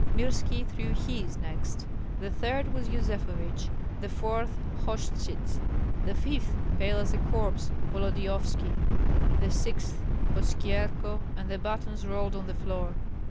Mirski threw his next; the third was Yuzefovich; the fourth, Hoshchyts; the fifth, pale as a corpse, Volodyovski; the sixth, Oskyerko, and the batons rolled on the floor.